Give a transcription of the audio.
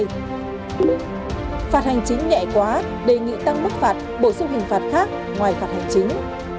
phạt hành chính nhẹ quá đề nghị tăng mức phạt bổ sung hình phạt khác ngoài phạt hành chính